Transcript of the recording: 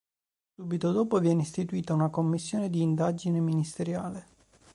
Subito dopo viene istituita una commissione di indagine ministeriale.